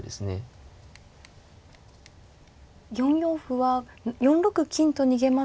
４四歩は４六金と逃げますと。